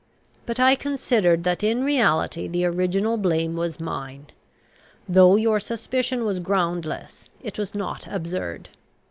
But I considered that in reality the original blame was mine. Though your suspicion was groundless, it was not absurd.